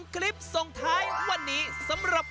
คลิปส่วนท้ายวันนี้สำหรับครับ